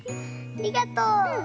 ありがとう。